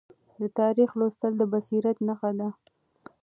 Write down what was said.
د تاریخ لوستل د بصیرت نښه ده.